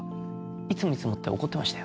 「いつもいつも」って怒ってましたよ。